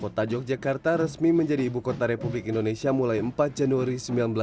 kota yogyakarta resmi menjadi ibu kota republik indonesia mulai empat januari seribu sembilan ratus empat puluh